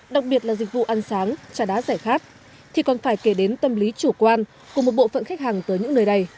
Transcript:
đặc biệt là dịch vụ ăn sáng trà đá rẻ khát thì còn phải kể đến tâm lý chủ quan của một bộ phận khách hàng tới những nơi đây